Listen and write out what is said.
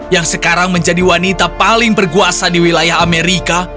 yang sekarang menjadi wanita paling berkuasa di wilayah amerika